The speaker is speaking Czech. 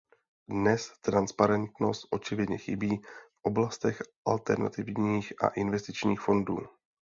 Dnes transparentnost očividně chybí v oblastech alternativních a investičních fondů.